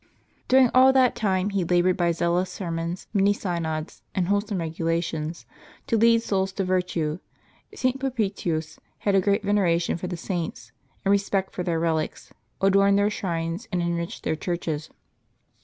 Dur ing all that time he labored by zealous sermons, many synods, and wholesome regulations, to lead souls to virtue. St. Perpetuus had a great veneration for the Saints, and respect for their relics, adorned their shrines, and enriched their churches.